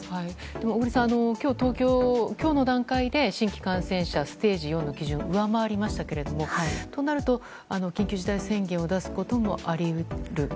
小栗さん、東京は今日の段階で新規感染者ステージ４の基準を上回りましたがとなると、緊急事態宣言を出すこともあり得る？